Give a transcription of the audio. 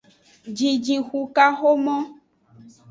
Jijixukaxomo.